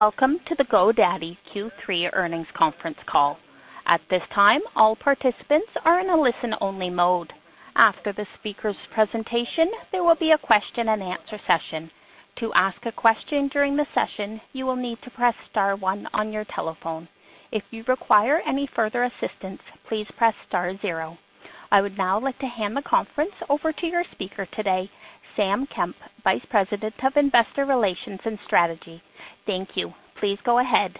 Welcome to the GoDaddy Q3 earnings conference call. At this time, all participants are in a listen-only mode. After the speaker's presentation, there will be a question and answer session. To ask a question during the session, you will need to press star one on your telephone. If you require any further assistance, please press star zero. I would now like to hand the conference over to your speaker today, Sam Kemp, Vice President of Investor Relations and Strategy. Thank you. Please go ahead.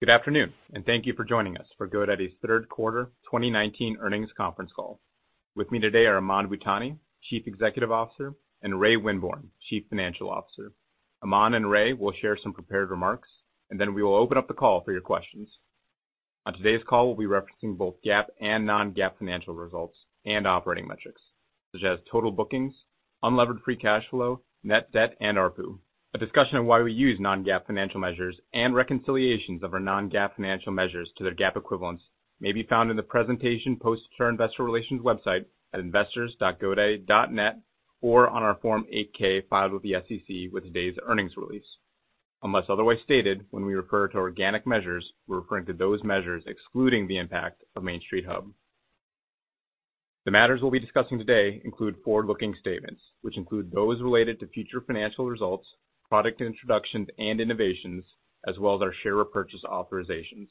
Good afternoon, and thank you for joining us for GoDaddy's third quarter 2019 earnings conference call. With me today are Aman Bhutani, Chief Executive Officer, and Ray Winborne, Chief Financial Officer. Aman and Ray will share some prepared remarks, and then we will open up the call for your questions. On today's call, we'll be referencing both GAAP and non-GAAP financial results and operating metrics, such as total bookings, unlevered free cash flow, net debt, and ARPU. A discussion of why we use non-GAAP financial measures and reconciliations of our non-GAAP financial measures to their GAAP equivalents may be found in the presentation post to our investor relations website at investors.godaddy.net or on our Form 8-K filed with the SEC with today's earnings release. Unless otherwise stated, when we refer to organic measures, we're referring to those measures excluding the impact of Main Street Hub. The matters we'll be discussing today include forward-looking statements, which include those related to future financial results, product introductions, and innovations, as well as our share repurchase authorizations.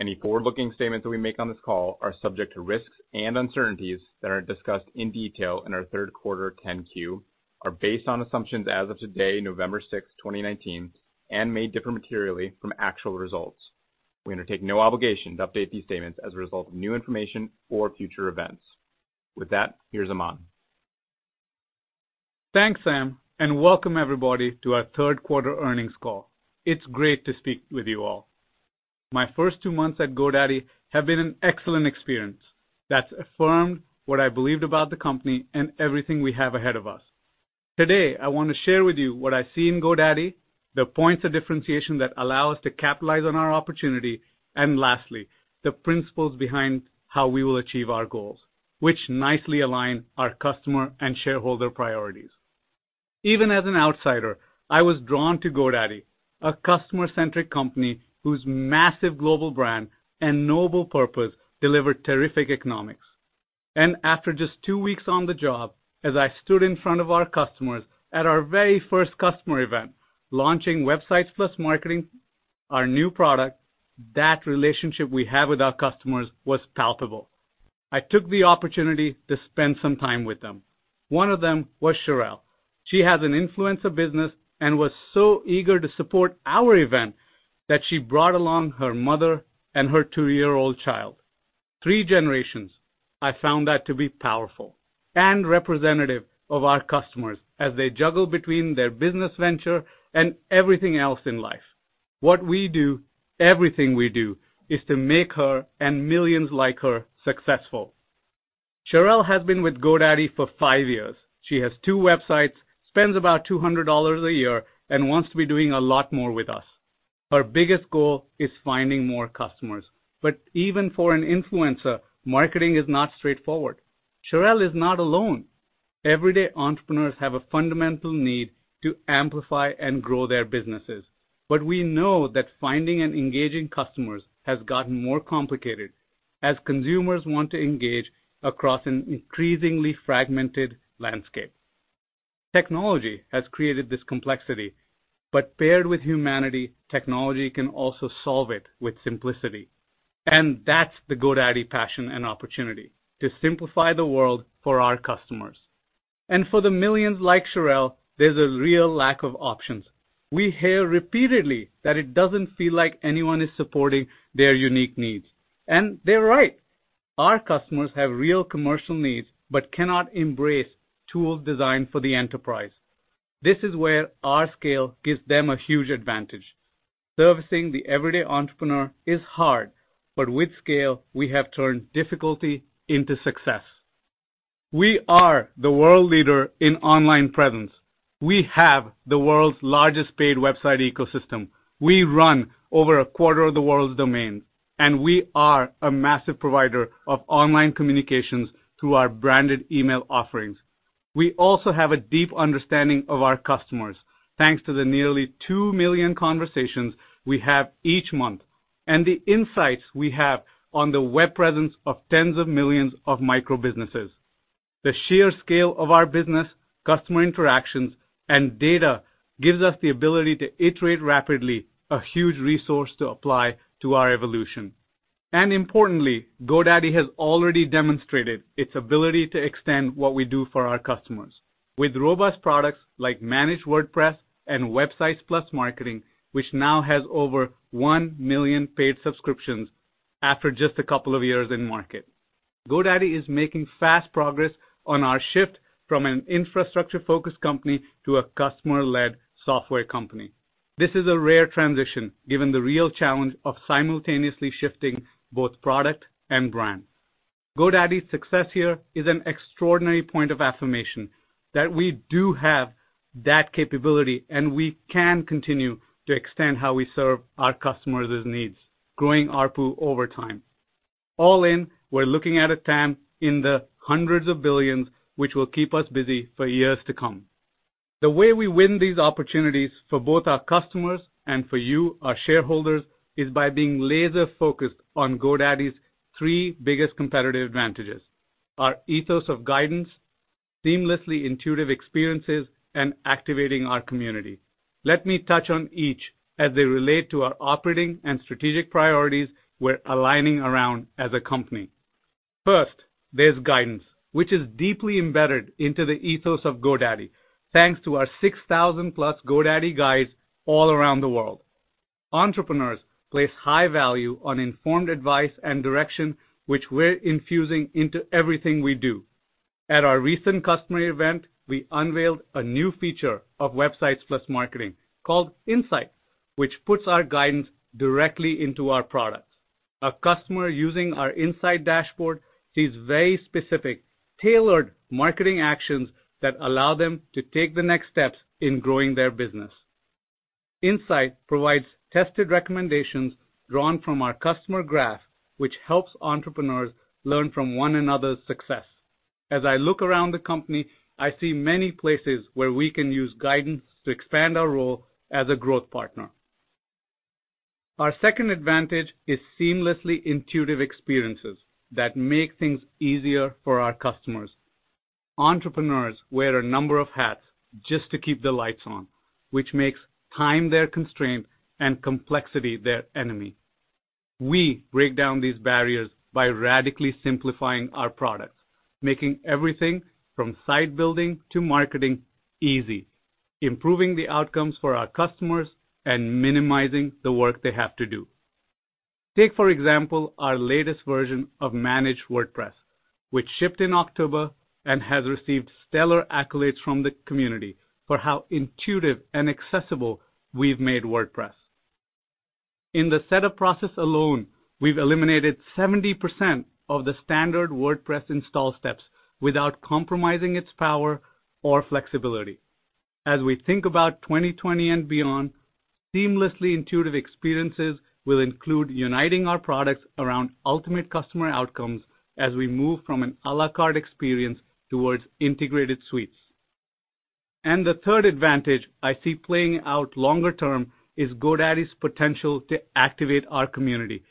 Any forward-looking statements that we make on this call are subject to risks and uncertainties that are discussed in detail in our third quarter 10-Q, are based on assumptions as of today, November 6, 2019, and may differ materially from actual results. We undertake no obligation to update these statements as a result of new information or future events. With that, here's Aman. Thanks, Sam, and welcome everybody to our third quarter earnings call. It's great to speak with you all. My first two months at GoDaddy have been an excellent experience that's affirmed what I believed about the company and everything we have ahead of us. Today, I want to share with you what I see in GoDaddy, the points of differentiation that allow us to capitalize on our opportunity, and lastly, the principles behind how we will achieve our goals, which nicely align our customer and shareholder priorities. Even as an outsider, I was drawn to GoDaddy, a customer-centric company whose massive global brand and noble purpose delivered terrific economics. After just two weeks on the job, as I stood in front of our customers at our very first customer event, launching Websites + Marketing, our new product, that relationship we have with our customers was palpable. I took the opportunity to spend some time with them. One of them was Sherelle. She has an influencer business and was so eager to support our event that she brought along her mother and her two-year-old child. Three generations. I found that to be powerful and representative of our customers as they juggle between their business venture and everything else in life. What we do, everything we do, is to make her and millions like her successful. Sherelle has been with GoDaddy for five years. She has two websites, spends about $200 a year, and wants to be doing a lot more with us. Her biggest goal is finding more customers. Even for an influencer, marketing is not straightforward. Sherelle is not alone. Everyday entrepreneurs have a fundamental need to amplify and grow their businesses. We know that finding and engaging customers has gotten more complicated as consumers want to engage across an increasingly fragmented landscape. Technology has created this complexity, but paired with humanity, technology can also solve it with simplicity. That's the GoDaddy passion and opportunity: to simplify the world for our customers. For the millions like Sherelle, there's a real lack of options. We hear repeatedly that it doesn't feel like anyone is supporting their unique needs, and they're right. Our customers have real commercial needs but cannot embrace tools designed for the enterprise. This is where our scale gives them a huge advantage. Servicing the everyday entrepreneur is hard, but with scale, we have turned difficulty into success. We are the world leader in online presence. We have the world's largest paid website ecosystem. We run over a quarter of the world's domains, we are a massive provider of online communications through our branded email offerings. We also have a deep understanding of our customers, thanks to the nearly 2 million conversations we have each month and the insights we have on the web presence of tens of millions of micro-businesses. The sheer scale of our business, customer interactions, and data gives us the ability to iterate rapidly, a huge resource to apply to our evolution. Importantly, GoDaddy has already demonstrated its ability to extend what we do for our customers with robust products like Managed WordPress and Websites + Marketing, which now has over 1 million paid subscriptions after just a couple of years in market. GoDaddy is making fast progress on our shift from an infrastructure-focused company to a customer-led software company. This is a rare transition, given the real challenge of simultaneously shifting both product and brand. GoDaddy's success here is an extraordinary point of affirmation that we do have that capability, and we can continue to extend how we serve our customers' needs, growing ARPU over time. All in, we're looking at a TAM in the hundreds of billions, which will keep us busy for years to come. The way we win these opportunities for both our customers and for you, our shareholders, is by being laser-focused on GoDaddy's three biggest competitive advantages: our ethos of guidance, seamlessly intuitive experiences, and activating our community. Let me touch on each as they relate to our operating and strategic priorities we're aligning around as a company. First, there's guidance, which is deeply embedded into the ethos of GoDaddy, thanks to our 6,000-plus GoDaddy Guides all around the world. Entrepreneurs place high value on informed advice and direction, which we're infusing into everything we do. At our recent customer event, we unveiled a new feature of Websites + Marketing called InSight, which puts our guidance directly into our products. A customer using our InSight dashboard sees very specific, tailored marketing actions that allow them to take the next steps in growing their business. InSight provides tested recommendations drawn from our customer graph, which helps entrepreneurs learn from one another's success. As I look around the company, I see many places where we can use guidance to expand our role as a growth partner. Our second advantage is seamlessly intuitive experiences that make things easier for our customers. Entrepreneurs wear a number of hats just to keep the lights on, which makes time their constraint and complexity their enemy. We break down these barriers by radically simplifying our products, making everything from site building to marketing easy, improving the outcomes for our customers, and minimizing the work they have to do. Take, for example, our latest version of Managed WordPress, which shipped in October and has received stellar accolades from the community for how intuitive and accessible we've made WordPress. In the setup process alone, we've eliminated 70% of the standard WordPress install steps without compromising its power or flexibility. As we think about 2020 and beyond, seamlessly intuitive experiences will include uniting our products around ultimate customer outcomes as we move from an à la carte experience towards integrated suites. The third advantage I see playing out longer term is GoDaddy's potential to activate our community,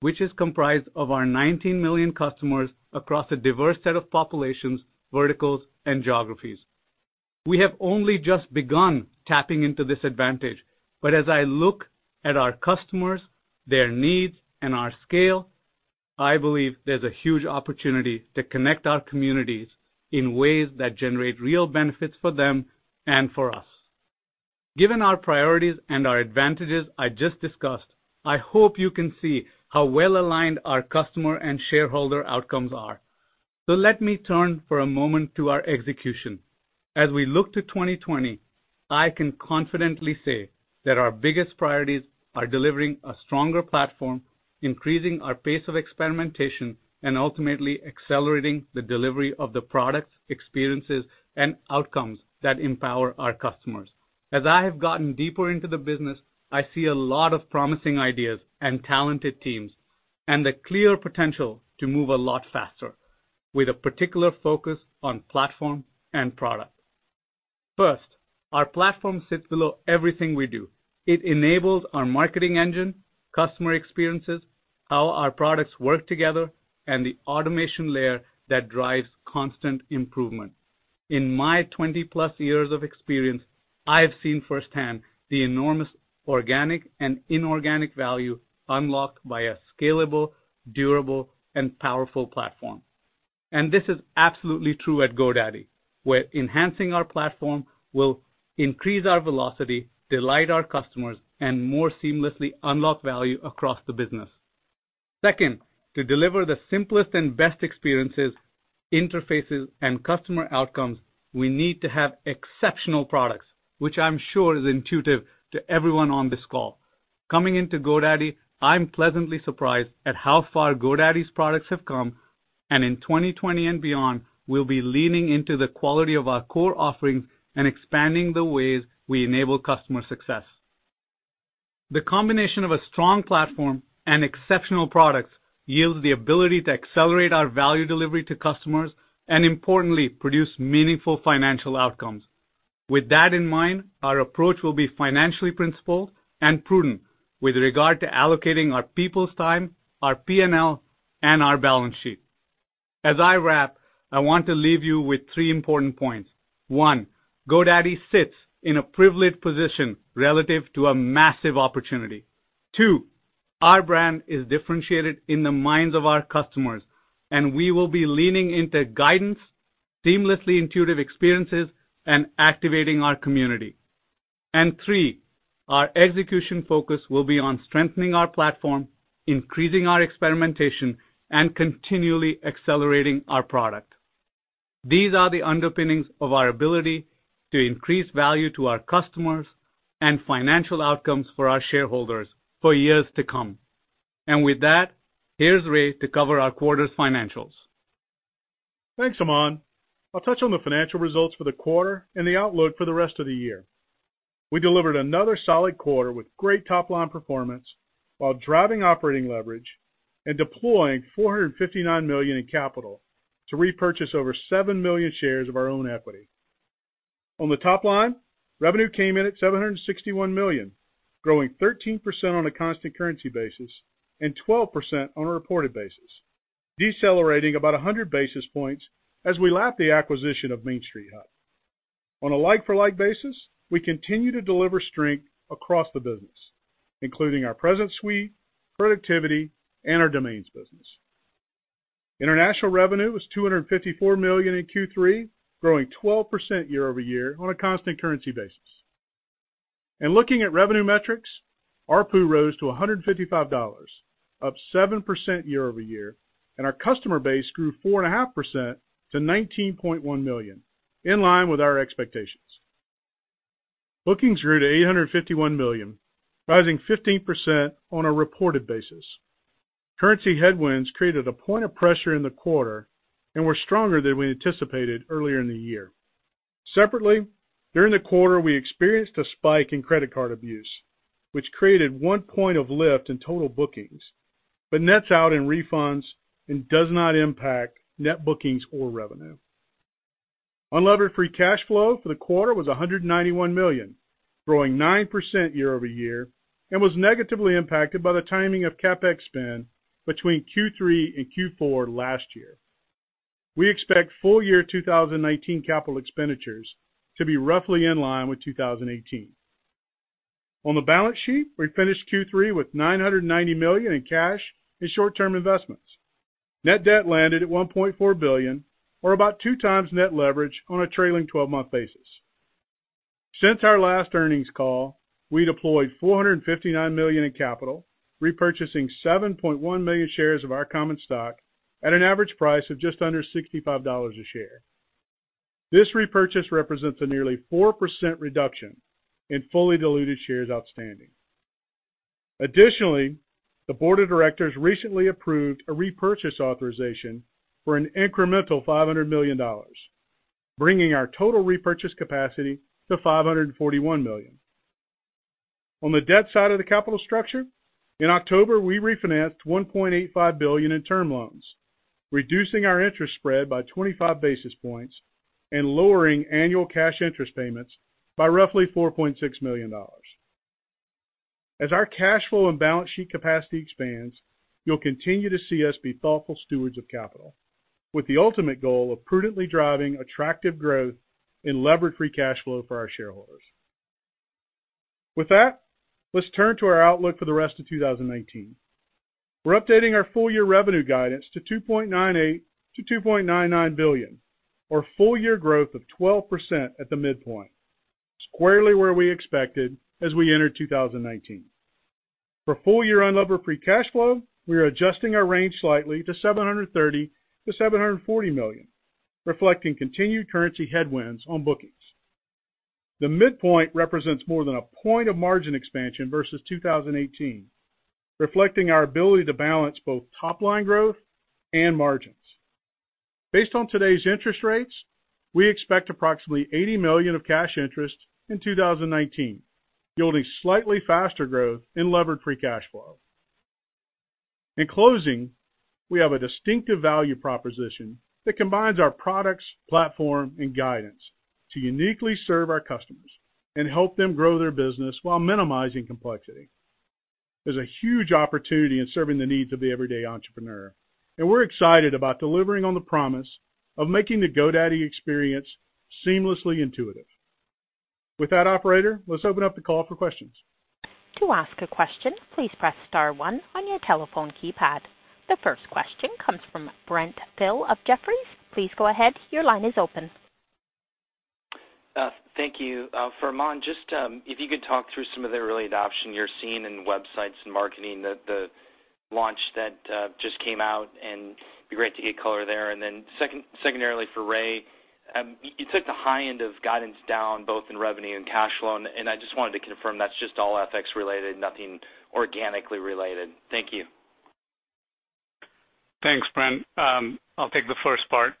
which is comprised of our 19 million customers across a diverse set of populations, verticals, and geographies. We have only just begun tapping into this advantage, but as I look at our customers, their needs, and our scale, I believe there's a huge opportunity to connect our communities in ways that generate real benefits for them and for us. Given our priorities and our advantages I just discussed, I hope you can see how well-aligned our customer and shareholder outcomes are. Let me turn for a moment to our execution. As we look to 2020, I can confidently say that our biggest priorities are delivering a stronger platform, increasing our pace of experimentation, and ultimately accelerating the delivery of the products, experiences, and outcomes that empower our customers. As I have gotten deeper into the business, I see a lot of promising ideas and talented teams, and the clear potential to move a lot faster, with a particular focus on platform and product. First, our platform sits below everything we do. It enables our marketing engine, customer experiences, how our products work together, and the automation layer that drives constant improvement. In my 20-plus years of experience, I have seen firsthand the enormous organic and inorganic value unlocked by a scalable, durable, and powerful platform. This is absolutely true at GoDaddy, where enhancing our platform will increase our velocity, delight our customers, and more seamlessly unlock value across the business. Second, to deliver the simplest and best experiences, interfaces, and customer outcomes, we need to have exceptional products, which I'm sure is intuitive to everyone on this call. Coming into GoDaddy, I'm pleasantly surprised at how far GoDaddy's products have come. In 2020 and beyond, we'll be leaning into the quality of our core offerings and expanding the ways we enable customer success. The combination of a strong platform and exceptional products yields the ability to accelerate our value delivery to customers and, importantly, produce meaningful financial outcomes. With that in mind, our approach will be financially principled and prudent with regard to allocating our people's time, our P&L, and our balance sheet. As I wrap, I want to leave you with three important points. One, GoDaddy sits in a privileged position relative to a massive opportunity. Two, our brand is differentiated in the minds of our customers, and we will be leaning into guidance, seamlessly intuitive experiences, and activating our community. Three, our execution focus will be on strengthening our platform, increasing our experimentation, and continually accelerating our product. These are the underpinnings of our ability to increase value to our customers and financial outcomes for our shareholders for years to come. With that, here's Ray to cover our quarter's financials. Thanks, Aman. I'll touch on the financial results for the quarter and the outlook for the rest of the year. We delivered another solid quarter with great top-line performance while driving operating leverage and deploying $459 million in capital to repurchase over seven million shares of our own equity. On the top line, revenue came in at $761 million, growing 13% on a constant currency basis and 12% on a reported basis, decelerating about 100 basis points as we lap the acquisition of Main Street Hub. On a like-for-like basis, we continue to deliver strength across the business, including our Presence Suite, Productivity, and our Domains business. International revenue was $254 million in Q3, growing 12% year-over-year on a constant currency basis. In looking at revenue metrics, ARPU rose to $155, up 7% year-over-year, and our customer base grew 4.5% to 19.1 million, in line with our expectations. Bookings grew to $851 million, rising 15% on a reported basis. Currency headwinds created a point of pressure in the quarter and were stronger than we anticipated earlier in the year. Separately, during the quarter, we experienced a spike in credit card abuse, which created 1 point of lift in total bookings, but nets out in refunds and does not impact net bookings or revenue. Unlevered free cash flow for the quarter was $191 million, growing 9% year-over-year and was negatively impacted by the timing of CapEx spend between Q3 and Q4 last year. We expect full-year 2019 capital expenditures to be roughly in line with 2018. On the balance sheet, we finished Q3 with $990 million in cash and short-term investments. Net debt landed at $1.4 billion, or about two times net leverage on a trailing 12-month basis. Since our last earnings call, we deployed $459 million in capital, repurchasing 7.1 million shares of our common stock at an average price of just under $65 a share. This repurchase represents a nearly 4% reduction in fully diluted shares outstanding. Additionally, the board of directors recently approved a repurchase authorization for an incremental $500 million, bringing our total repurchase capacity to $541 million. On the debt side of the capital structure, in October, we refinanced $1.85 billion in term loans, reducing our interest spread by 25 basis points and lowering annual cash interest payments by roughly $4.6 million. As our cash flow and balance sheet capacity expands, you'll continue to see us be thoughtful stewards of capital with the ultimate goal of prudently driving attractive growth in levered free cash flow for our shareholders. With that, let's turn to our outlook for the rest of 2019. We're updating our full-year revenue guidance to $2.98 billion-$2.99 billion, or full-year growth of 12% at the midpoint, squarely where we expected as we entered 2019. For full-year unlevered free cash flow, we are adjusting our range slightly to $730 million-$740 million, reflecting continued currency headwinds on bookings. The midpoint represents more than a point of margin expansion versus 2018, reflecting our ability to balance both top-line growth and margins. Based on today's interest rates, we expect approximately $80 million of cash interest in 2019, yielding slightly faster growth in levered free cash flow. In closing, we have a distinctive value proposition that combines our products, platform, and guidance to uniquely serve our customers and help them grow their business while minimizing complexity. There's a huge opportunity in serving the needs of the everyday entrepreneur, and we're excited about delivering on the promise of making the GoDaddy experience seamlessly intuitive. With that, operator, let's open up the call for questions. To ask a question, please press *1 on your telephone keypad. The first question comes from Brent Thill of Jefferies. Please go ahead. Your line is open. Thank you. For Aman, just if you could talk through some of the early adoption you're seeing in Websites + Marketing, the launch that just came out, and it'd be great to get color there. Secondarily, for Ray, you took the high end of guidance down both in revenue and cash flow, and I just wanted to confirm that's just all FX related, nothing organically related. Thank you. Thanks, Brent. I'll take the first part.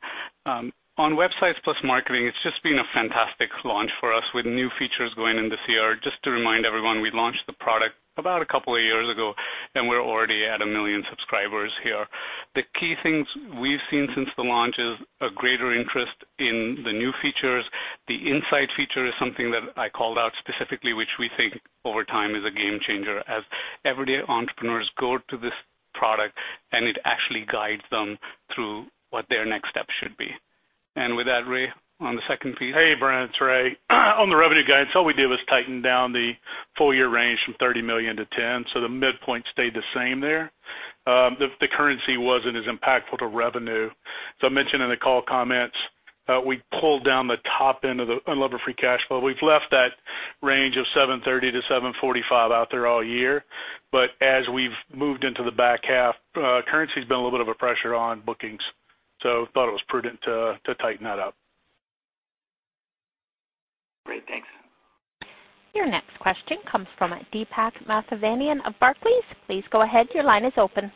On Websites + Marketing, it's just been a fantastic launch for us with new features going into CR. Just to remind everyone, we launched the product about a couple of years ago, and we're already at 1 million subscribers here. The key things we've seen since the launch is a greater interest in the new features. The InSight feature is something that I called out specifically, which we think over time is a game changer as everyday entrepreneurs go to this product, and it actually guides them through what their next steps should be. With that, Ray, on the second piece? Hey, Brent. It's Ray. On the revenue guidance, all we did was tighten down the full-year range from $30 million to $10, so the midpoint stayed the same there. The currency wasn't as impactful to revenue. As I mentioned in the call comments, we pulled down the top end of the unlevered free cash flow. We've left that range of $730-$745 out there all year. As we've moved into the back half, currency's been a little bit of a pressure on bookings, so thought it was prudent to tighten that up. Your next question comes from Deepak Mathivanan of Barclays. Please go ahead, your line is open.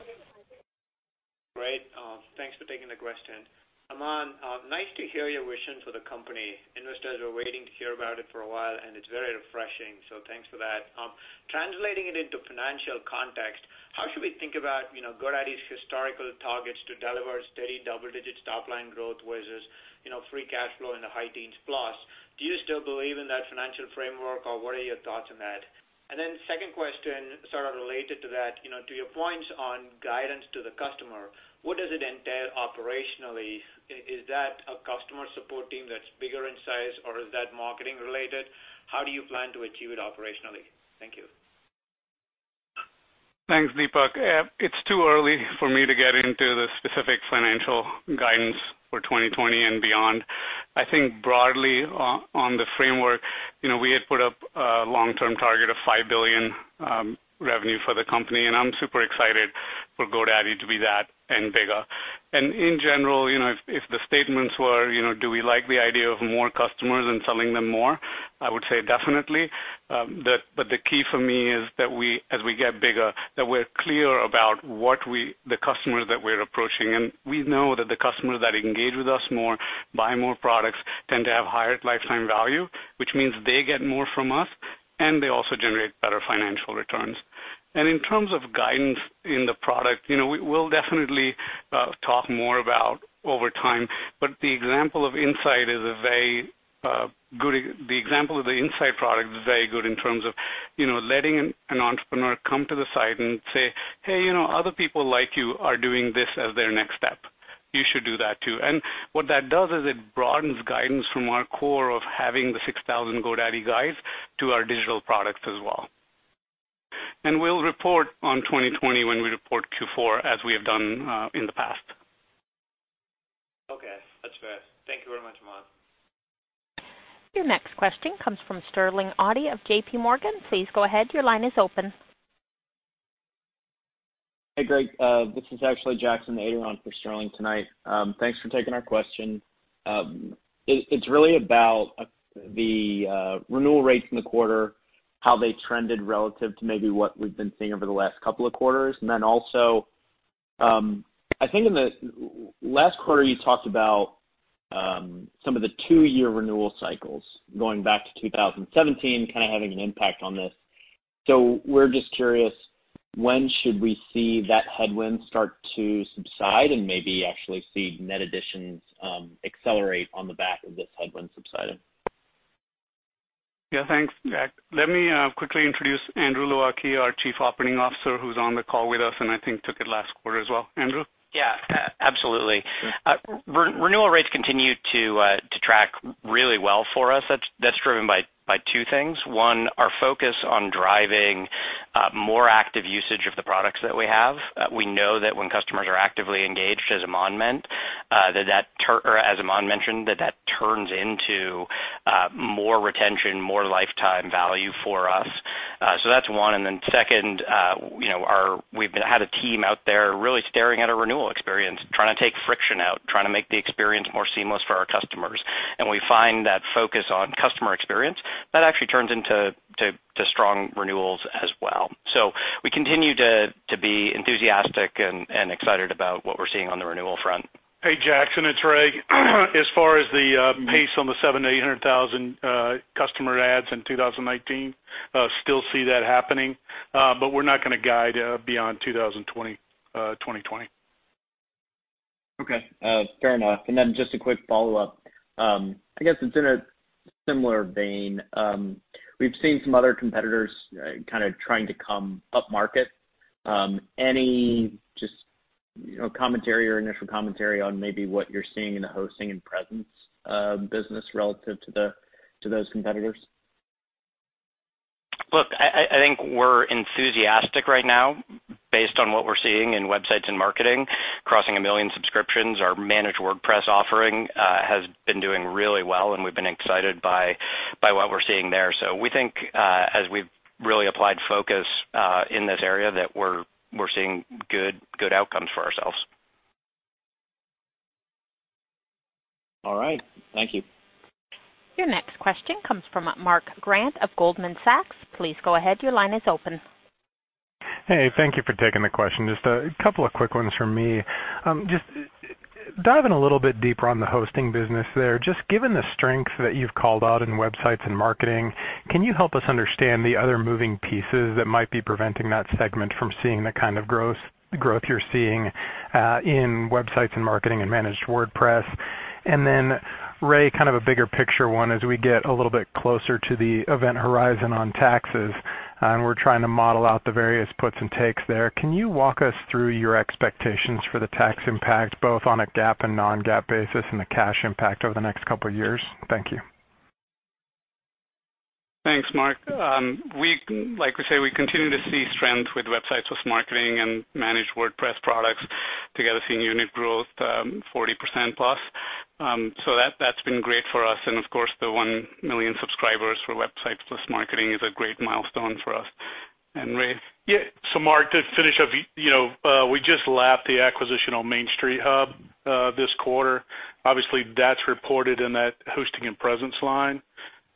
Great. Thanks for taking the question. Aman, nice to hear your vision for the company. Investors are waiting to hear about it for a while, and it's very refreshing, so thanks for that. Translating it into financial context, how should we think about GoDaddy's historical targets to deliver steady double-digit top-line growth versus free cash flow in the high teens plus? Do you still believe in that financial framework, or what are your thoughts on that? Second question, sort of related to that, to your points on guidance to the customer, what does it entail operationally? Is that a customer support team that's bigger in size, or is that marketing related? How do you plan to achieve it operationally? Thank you. Thanks, Deepak. It's too early for me to get into the specific financial guidance for 2020 and beyond. I think broadly, on the framework, we had put up a long-term target of $5 billion revenue for the company, and I'm super excited for GoDaddy to be that and bigger. In general, if the statements were, do we like the idea of more customers and selling them more, I would say definitely. The key for me is that as we get bigger, that we're clear about the customers that we're approaching. And we know that the customers that engage with us more, buy more products, tend to have higher lifetime value, which means they get more from us, and they also generate better financial returns. In terms of guidance in the product, we'll definitely talk more about over time, but the example of the InSight product is very good in terms of letting an entrepreneur come to the site and say, "Hey, other people like you are doing this as their next step. You should do that, too." What that does is it broadens guidance from our core of having the 6,000 GoDaddy Guides to our digital products as well. We'll report on 2020 when we report Q4, as we have done in the past. Okay, that's fair. Thank you very much, Aman. Your next question comes from Sterling Auty of JPMorgan. Please go ahead, your line is open. Hey, Greg. This is actually Jackson Ader for Sterling. Thanks for taking our question. It's really about the renewal rates in the quarter, how they trended relative to maybe what we've been seeing over the last couple of quarters. Then also, I think in the last quarter, you talked about some of the two-year renewal cycles going back to 2017 kind of having an impact on this. We're just curious, when should we see that headwind start to subside and maybe actually see net additions accelerate on the back of this headwind subsiding? Yeah, thanks, Jack. Let me quickly introduce Andrew Low Ah Kee, our Chief Operating Officer, who's on the call with us and I think took it last quarter as well. Andrew? Absolutely. Renewal rates continue to track really well for us. That's driven by two things. One, our focus on driving more active usage of the products that we have. We know that when customers are actively engaged, as Aman mentioned, that turns into more retention, more lifetime value for us. That's one, and then second, we've had a team out there really staring at a renewal experience, trying to take friction out, trying to make the experience more seamless for our customers. We find that focus on customer experience, that actually turns into strong renewals as well. We continue to be enthusiastic and excited about what we're seeing on the renewal front. Hey, Jackson, it's Ray. As far as the pace on the 700,000-800,000 customer adds in 2019, still see that happening. We're not going to guide beyond 2020. Okay, fair enough. Just a quick follow-up. I guess it's in a similar vein. We've seen some other competitors kind of trying to come up market. Any just initial commentary on maybe what you're seeing in the hosting and presence business relative to those competitors? Look, I think we're enthusiastic right now based on what we're seeing in Websites + Marketing, crossing 1 million subscriptions. Our Managed WordPress offering has been doing really well, and we've been excited by what we're seeing there. We think, as we've really applied focus in this area, that we're seeing good outcomes for ourselves. All right. Thank you. Your next question comes from Mark Grant of Goldman Sachs. Please go ahead, your line is open. Hey, thank you for taking the question. Just a couple of quick ones from me. Just diving a little bit deeper on the hosting business there, just given the strength that you've called out in Websites + Marketing, can you help us understand the other moving pieces that might be preventing that segment from seeing the kind of growth you're seeing in Websites + Marketing and Managed WordPress? Ray, kind of a bigger picture one, as we get a little bit closer to the event horizon on taxes, and we're trying to model out the various puts and takes there, can you walk us through your expectations for the tax impact, both on a GAAP and non-GAAP basis, and the cash impact over the next couple of years? Thank you. Thanks, Mark. Like we say, we continue to see strength with Websites + Marketing and Managed WordPress products together, seeing unit growth 40% plus. That's been great for us, and of course, the 1 million subscribers for Websites + Marketing is a great milestone for us. And Ray? Yeah. Mark, to finish up, we just lapped the acquisition on Main Street Hub this quarter. Obviously, that's reported in that hosting and presence line.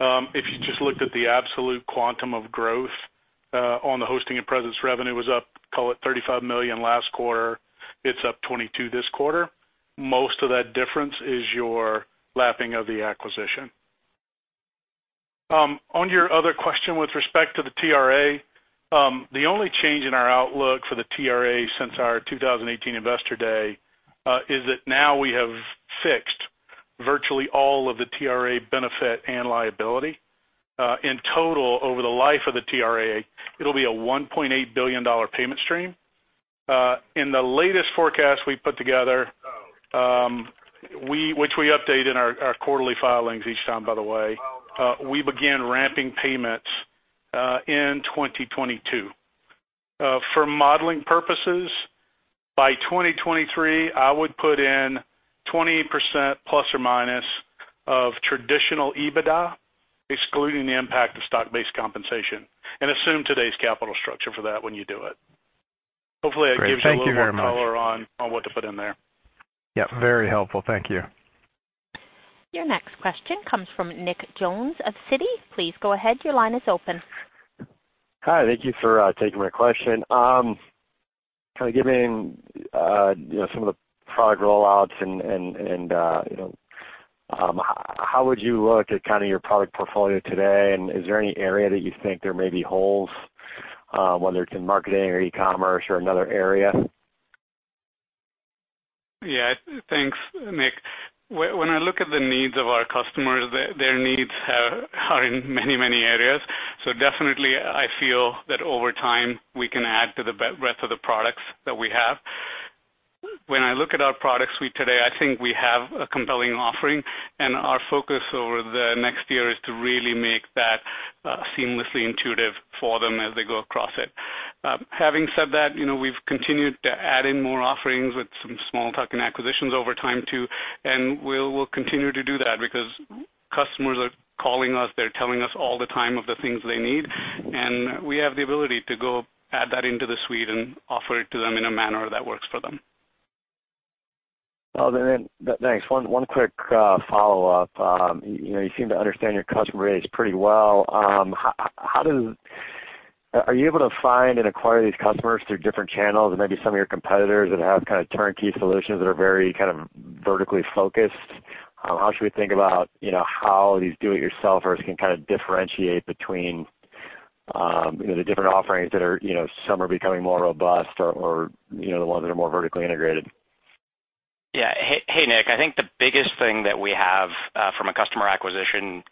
If you just looked at the absolute quantum of growth on the hosting and presence revenue was up, call it $35 million last quarter, it's up $22 million this quarter. Most of that difference is your lapping of the acquisition. On your other question with respect to the TRA, the only change in our outlook for the TRA since our 2018 investor day, is that now we have fixed virtually all of the TRA benefit and liability. In total, over the life of the TRA, it'll be a $1.8 billion payment stream. In the latest forecast we put together, which we update in our quarterly filings each time, by the way, we begin ramping payments in 2022. For modeling purposes, by 2023, I would put in ±20% of traditional EBITDA, excluding the impact of stock-based compensation, and assume today's capital structure for that when you do it. Great. Thank you very much a little more color on what to put in there. Yep, very helpful. Thank you. Your next question comes from Nick Jones of Citi. Please go ahead, your line is open. Hi, thank you for taking my question. Kind of giving some of the product roll-outs and how would you look at kind of your product portfolio today, and is there any area that you think there may be holes, whether it's in marketing or e-commerce or another area? Yeah. Thanks, Nick. When I look at the needs of our customers, their needs are in many areas. Definitely, I feel that over time, we can add to the breadth of the products that we have. When I look at our product suite today, I think we have a compelling offering, and our focus over the next year is to really make that seamlessly intuitive for them as they go across it. Having said that, we've continued to add in more offerings with some small tuck-in acquisitions over time too, and we'll continue to do that because customers are calling us, they're telling us all the time of the things they need, and we have the ability to go add that into the suite and offer it to them in a manner that works for them. Well, then, thanks. One quick follow-up. You seem to understand your customer base pretty well. Are you able to find and acquire these customers through different channels than maybe some of your competitors that have kind of turnkey solutions that are very kind of vertically focused? How should we think about how these do-it-yourselfers can kind of differentiate between the different offerings that some are becoming more robust or the ones that are more vertically integrated? Yeah. Hey, Nick. I think the biggest thing that we have, from a customer acquisition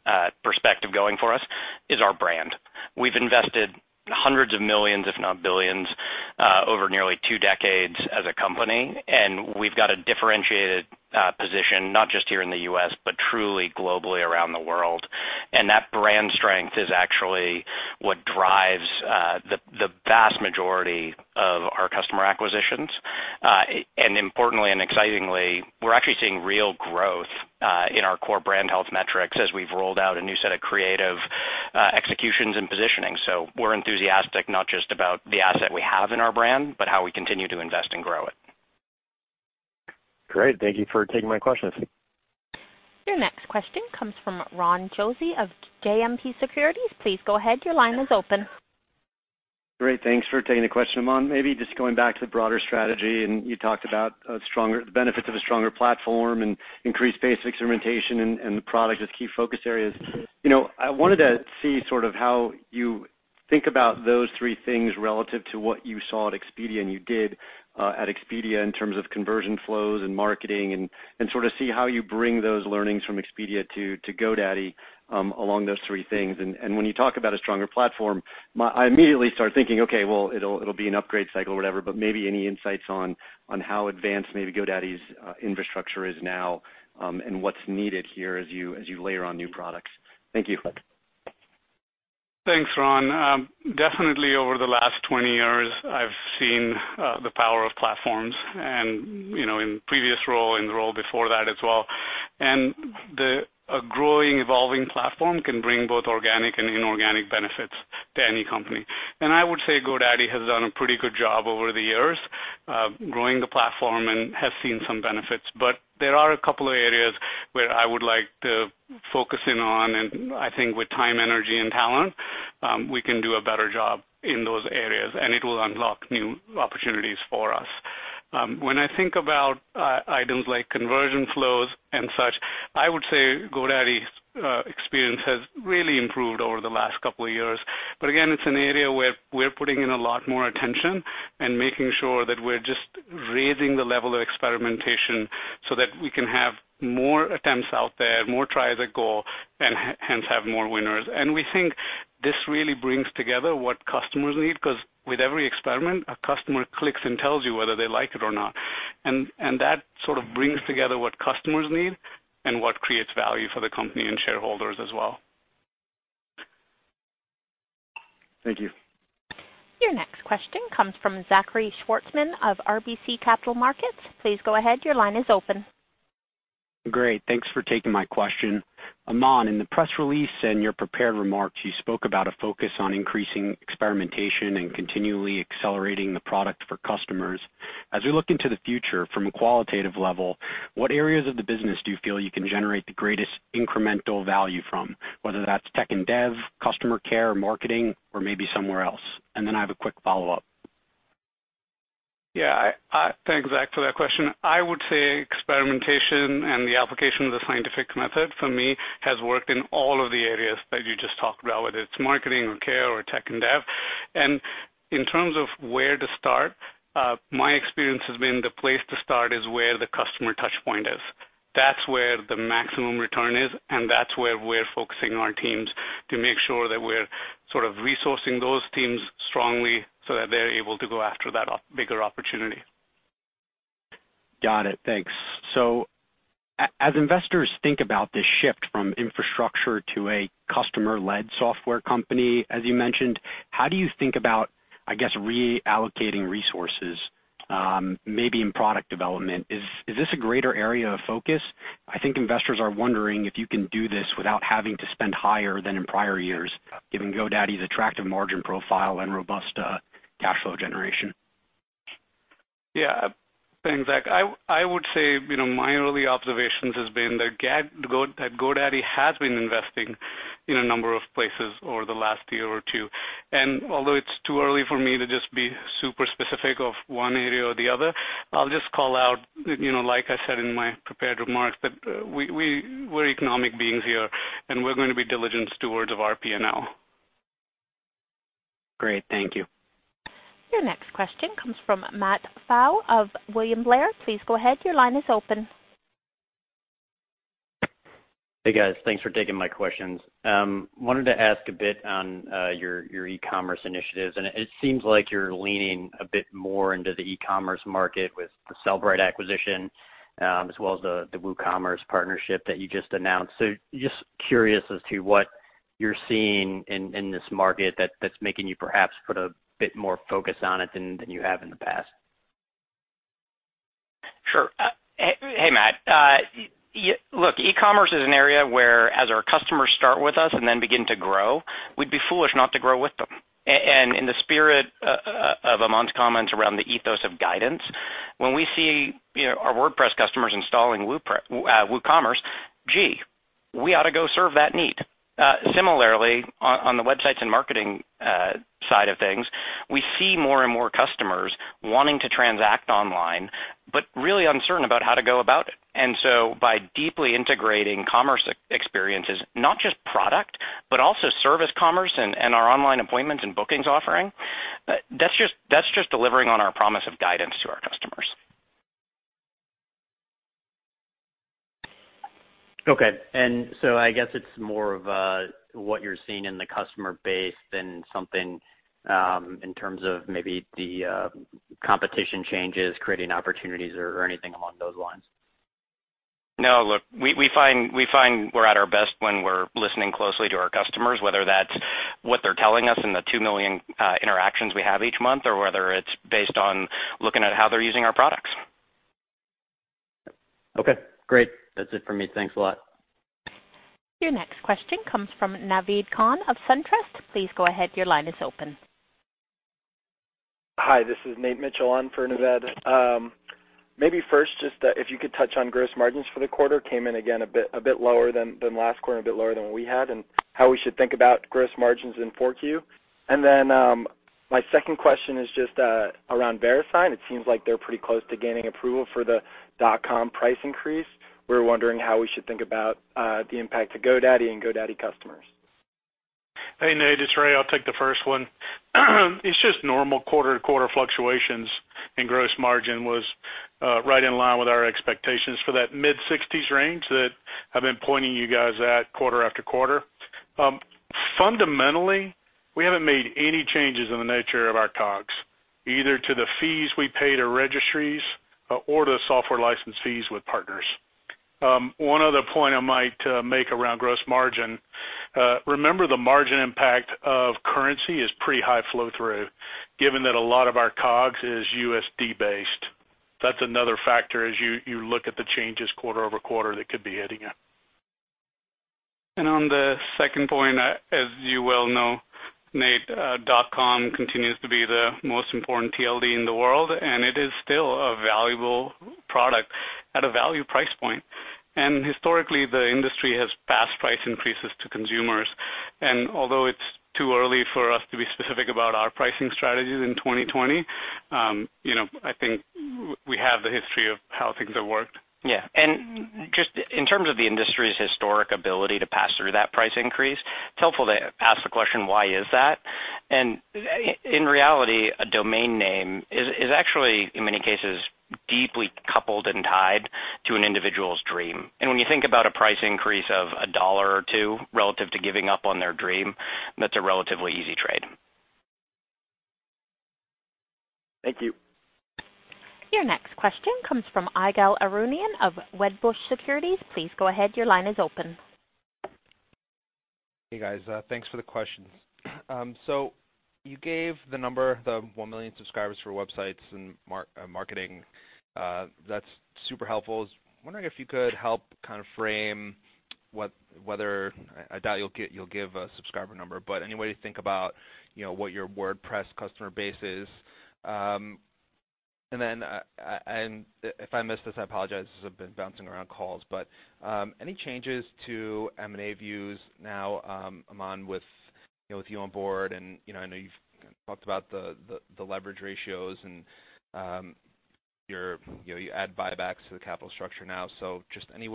perspective going for us, is our brand. We've invested hundreds of millions, if not billions, over nearly two decades as a company. We've got a differentiated position, not just here in the U.S., but truly globally around the world. That brand strength is actually what drives the vast majority of our customer acquisitions. Importantly, and excitingly, we're actually seeing real growth in our core brand health metrics as we've rolled out a new set of creative executions and positioning. We're enthusiastic, not just about the asset we have in our brand, but how we continue to invest and grow it. Great. Thank you for taking my questions. Your next question comes from Ron Josey of JMP Securities. Please go ahead. Your line is open. Great. Thanks for taking the question. Aman, maybe just going back to the broader strategy, you talked about the benefits of a stronger platform and increased pace of experimentation and the product as key focus areas. I wanted to see sort of how you think about those three things relative to what you saw at Expedia and you did at Expedia in terms of conversion flows and marketing, and sort of see how you bring those learnings from Expedia to GoDaddy along those three things. When you talk about a stronger platform, I immediately start thinking, okay, well, it'll be an upgrade cycle or whatever, but maybe any insights on how advanced maybe GoDaddy's infrastructure is now, and what's needed here as you layer on new products. Thank you. Thanks, Ron. Definitely over the last 20 years, I've seen the power of platforms and in previous role and the role before that as well. A growing, evolving platform can bring both organic and inorganic benefits to any company. I would say GoDaddy has done a pretty good job over the years, growing the platform and has seen some benefits. There are a couple of areas where I would like to focus in on, and I think with time, energy, and talent, we can do a better job in those areas, and it will unlock new opportunities for us. When I think about items like conversion flows and such, I would say GoDaddy's experience has really improved over the last couple of years. Again, it's an area where we're putting in a lot more attention and making sure that we're just raising the level of experimentation so that we can have more attempts out there, more tries at goal, and hence have more winners. We think this really brings together what customers need, because with every experiment, a customer clicks and tells you whether they like it or not. That sort of brings together what customers need and what creates value for the company and shareholders as well. Thank you. Your next question comes from Zachary Schwartzman of RBC Capital Markets. Please go ahead. Your line is open. Great. Thanks for taking my question. Aman, in the press release and your prepared remarks, you spoke about a focus on increasing experimentation and continually accelerating the product for customers. As we look into the future from a qualitative level, what areas of the business do you feel you can generate the greatest incremental value from, whether that's tech and dev, customer care, marketing, or maybe somewhere else? I have a quick follow-up. Yeah. Thanks, Zach, for that question. I would say experimentation and the application of the scientific method, for me, has worked in all of the areas that you just talked about, whether it's marketing or care or tech and dev. In terms of where to start, my experience has been the place to start is where the customer touchpoint is. That's where the maximum return is, and that's where we're focusing our teams to make sure that we're sort of resourcing those teams strongly so that they're able to go after that bigger opportunity. Got it. Thanks. As investors think about this shift from infrastructure to a customer-led software company, as you mentioned, how do you think about, I guess, reallocating resources, maybe in product development? Is this a greater area of focus? I think investors are wondering if you can do this without having to spend higher than in prior years, given GoDaddy's attractive margin profile and robust cash flow generation. Yeah. Thanks, Zach. I would say my early observations has been that GoDaddy has been investing in a number of places over the last year or two. Although it's too early for me to just be super specific of one area or the other, I'll just call out, like I said in my prepared remarks, that we're economic beings here, and we're going to be diligent stewards of our P&L. Great. Thank you. Your next question comes from Matt Pfau of William Blair. Please go ahead. Your line is open. Hey, guys. Thanks for taking my questions. It seems like you're leaning a bit more into the e-commerce market with the Sellbrite acquisition, as well as the WooCommerce partnership that you just announced. Just curious as to what you're seeing in this market that's making you perhaps put a bit more focus on it than you have in the past. Sure. Hey, Matt. Look, e-commerce is an area where as our customers start with us and then begin to grow, we'd be foolish not to grow with them. In the spirit of Aman's comments around the ethos of guidance, when we see our WordPress customers installing WooCommerce, gee, we ought to go serve that need. Similarly, on the Websites + Marketing side of things, we see more and more customers wanting to transact online, but really uncertain about how to go about it. By deeply integrating commerce experiences, not just product, but also service commerce and our online appointments and bookings offering, that's just delivering on our promise of guidance to our customers. Okay. I guess it's more of what you're seeing in the customer base than something in terms of maybe the competition changes, creating opportunities or anything along those lines. No, look, we find we're at our best when we're listening closely to our customers, whether that's what they're telling us in the 2 million interactions we have each month, or whether it's based on looking at how they're using our products. Okay, great. That's it for me. Thanks a lot. Your next question comes from Naved Khan of SunTrust. Please go ahead. Your line is open. Hi, this is Nate Mitchell on for Naved. First, just if you could touch on gross margins for the quarter. Came in again a bit lower than last quarter, a bit lower than what we had. How we should think about gross margins in 4Q? My second question is just around Verisign. It seems like they're pretty close to gaining approval for the .com price increase. We're wondering how we should think about the impact to GoDaddy and GoDaddy customers. Hey, Nate, it's Ray. I'll take the first one. It's just normal quarter-to-quarter fluctuations, and gross margin was right in line with our expectations for that mid-60s range that I've been pointing you guys at quarter-after-quarter. Fundamentally, we haven't made any changes in the nature of our COGS, either to the fees we pay to registries or to software license fees with partners. One other point I might make around gross margin, remember the margin impact of currency is pretty high flow-through, given that a lot of our COGS is USD-based. That's another factor as you look at the changes quarter-over-quarter that could be hitting you. On the second point, as you well know, Nate, .com continues to be the most important TLD in the world, it is still a valuable product at a value price point. Historically, the industry has passed price increases to consumers. Although it's too early for us to be specific about our pricing strategies in 2020, I think we have the history of how things have worked. Yeah. Just in terms of the industry's historic ability to pass through that price increase, it's helpful to ask the question, why is that? In reality, a domain name is actually, in many cases, deeply coupled and tied to an individual's dream. When you think about a price increase of $1 or $2 relative to giving up on their dream, that's a relatively easy trade. Thank you. Your next question comes from Ygal Arounian of Wedbush Securities. Please go ahead. Your line is open. Hey guys, thanks for the questions. You gave the number, the 1 million subscribers for Websites + Marketing. That's super helpful. I was wondering if you could help kind of frame whether I doubt you'll give a subscriber number, but any way you think about what your WordPress customer base is? If I missed this, I apologize, because I've been bouncing around calls, but any changes to M&A views now, Aman, with you on board? I know you've talked about the leverage ratios and you add buybacks to the capital structure now, just any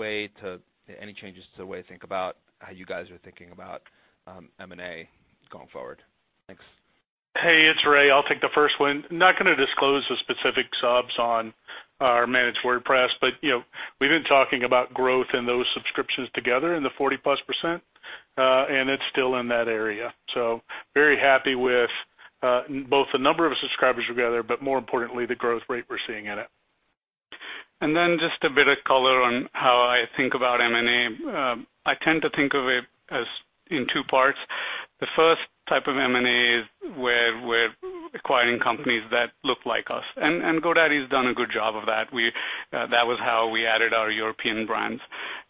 changes to the way you think about how you guys are thinking about M&A going forward? Thanks. Hey, it's Ray. I'll take the first one. Not going to disclose the specific subs on our Managed WordPress, but we've been talking about growth in those subscriptions together in the 40-plus %, and it's still in that area. Very happy with both the number of subscribers together, but more importantly, the growth rate we're seeing in it. Just a bit of color on how I think about M&A. I tend to think of it as in two parts. The first type of M&A is where we're acquiring companies that look like us, and GoDaddy's done a good job of that. That was how we added our European brands.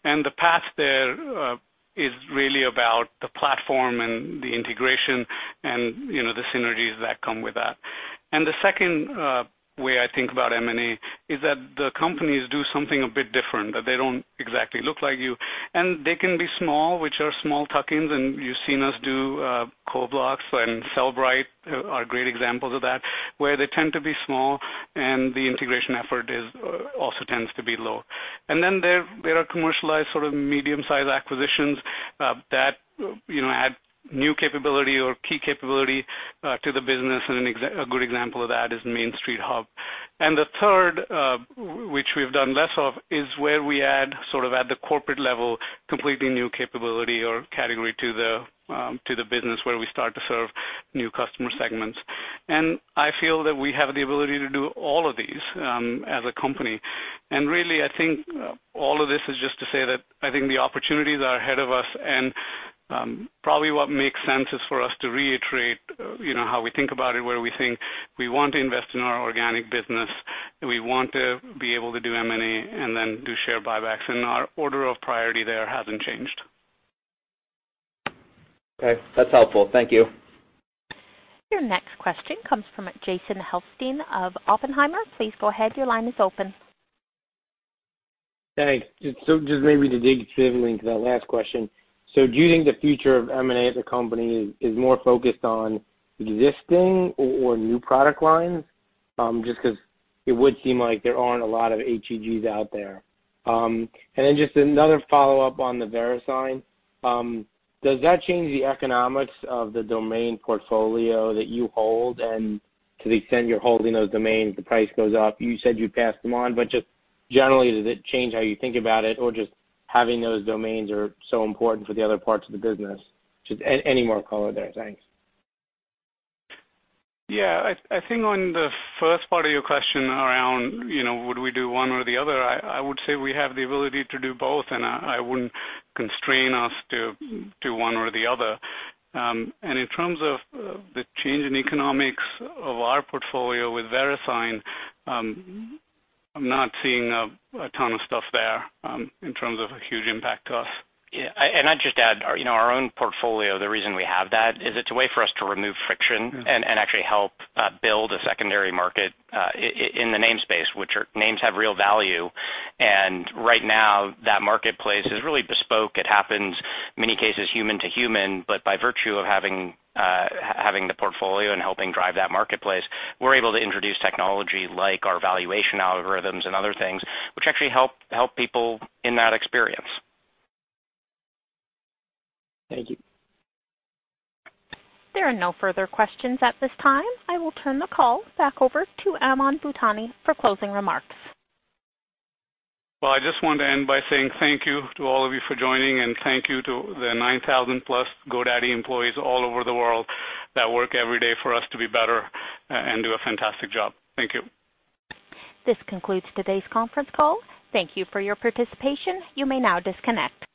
The path there is really about the platform and the integration and the synergies that come with that. The second way I think about M&A is that the companies do something a bit different, that they don't exactly look like you, and they can be small, which are small tuck-ins, and you've seen us do CoBlocks and Sellbrite are great examples of that, where they tend to be small and the integration effort also tends to be low. Then there are commercialized sort of medium-sized acquisitions that add new capability or key capability to the business, and a good example of that is Main Street Hub. The third, which we've done less of, is where we add, sort of at the corporate level, completely new capability or category to the business where we start to serve new customer segments. I feel that we have the ability to do all of these as a company. Really, I think all of this is just to say that I think the opportunities are ahead of us, and probably what makes sense is for us to reiterate how we think about it, where we think we want to invest in our organic business, we want to be able to do M&A, and then do share buybacks. Our order of priority there hasn't changed. Okay. That's helpful. Thank you. Your next question comes from Jason Helfstein of Oppenheimer. Please go ahead, your line is open. Thanks. Just maybe to dig similarly into that last question. Do you think the future of M&A as a company is more focused on existing or new product lines? Just because it would seem like there aren't a lot of HEG out there. Just another follow-up on the Verisign. Does that change the economics of the domain portfolio that you hold? To the extent you're holding those domains, the price goes up. You said you'd pass them on, but just generally, does it change how you think about it, or just having those domains are so important for the other parts of the business? Just any more color there. Thanks. Yeah. I think on the first part of your question around, would we do one or the other, I would say we have the ability to do both, and I wouldn't constrain us to do one or the other. In terms of the change in economics of our portfolio with Verisign, I'm not seeing a ton of stuff there in terms of a huge impact to us. Yeah. I'd just add, our own portfolio, the reason we have that is it's a way for us to remove friction and actually help build a secondary market in the namespace, which names have real value. Right now, that marketplace is really bespoke. It happens many cases human to human, but by virtue of having the portfolio and helping drive that marketplace, we're able to introduce technology like our valuation algorithms and other things, which actually help people in that experience. Thank you. There are no further questions at this time. I will turn the call back over to Aman Bhutani for closing remarks. Well, I just want to end by saying thank you to all of you for joining, and thank you to the 9,000-plus GoDaddy employees all over the world that work every day for us to be better and do a fantastic job. Thank you. This concludes today's conference call. Thank you for your participation. You may now disconnect.